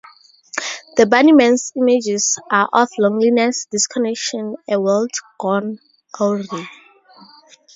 The Bunnymen's images are of loneliness, disconnection, a world gone awry.